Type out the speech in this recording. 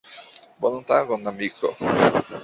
Bonan tagon, amiko.